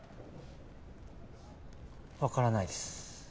わからないです。